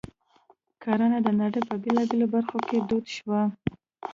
کرنه د نړۍ په بېلابېلو برخو کې دود شوه.